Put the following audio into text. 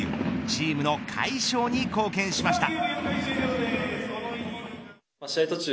チームの快勝に貢献しました。